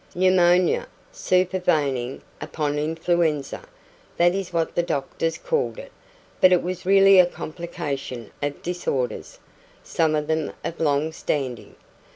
"Pneumonia, supervening upon influenza that is what the doctors called it; but it was really a complication of disorders, some of them of long standing.